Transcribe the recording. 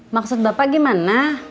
maksud bapak gimana